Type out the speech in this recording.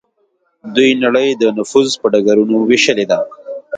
دوی نړۍ د نفوذ په ډګرونو ویشلې ده